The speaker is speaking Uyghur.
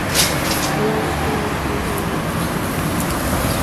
ھايال ئۆتمەي مەھەللە ئىمامى كىرىپ كەلدى.